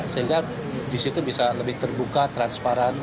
sehingga disitu bisa lebih terbuka transparan